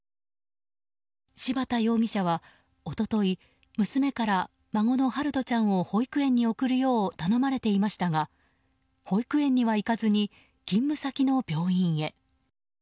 柴田容疑者は一昨日娘から孫の陽翔ちゃんを保育園に送るよう頼まれていましたが保育園には行かずに勤務先の病院へ。